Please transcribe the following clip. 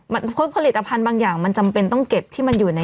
เพราะผลิตภัณฑ์บางอย่างมันจำเป็นต้องเก็บที่มันอยู่ใน